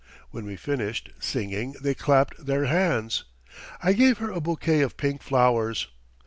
When we finished singing they clapped their hands. I gave her a bouquet of pink flowers.